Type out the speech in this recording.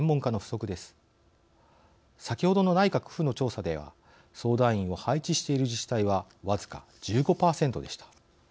先ほどの内閣府の調査では相談員を配置している自治体はわずか１５％でした。